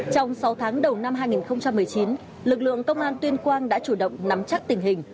trong sáu tháng đầu năm hai nghìn một mươi chín lực lượng công an tuyên quang đã chủ động nắm chắc tình hình